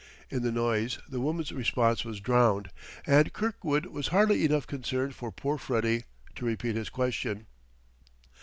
In the noise the woman's response was drowned, and Kirkwood was hardly enough concerned for poor Freddie to repeat his question.